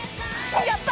やった！